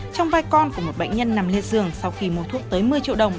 thì chẳng may nó uống vào nó có thể bị làm sao đấy